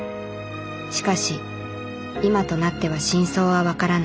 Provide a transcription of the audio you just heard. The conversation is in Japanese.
しかし今となっては真相は分からない